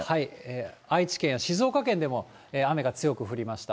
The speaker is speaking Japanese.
愛知県、静岡県でも雨が強く降りました。